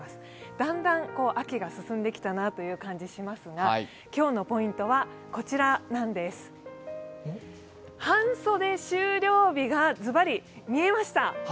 だんだん秋が進んできたなという感じがしますが、今日のポイントは、半袖終了日がズバリ見えました。